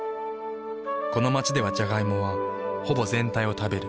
この街ではジャガイモはほぼ全体を食べる。